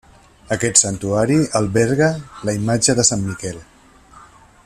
Aquest santuari alberga la imatge de Sant Miquel.